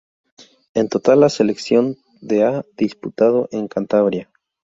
En total la selección de ha disputado en Cantabria.